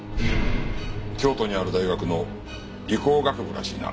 京都にある大学の理工学部らしいな。